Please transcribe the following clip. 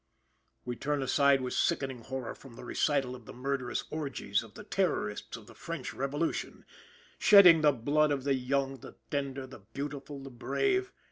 We turn aside with sickening horror from the recital of the murderous orgies of the Terrorists of the French Revolution shedding the blood of the young, the tender, the beautiful, the brave.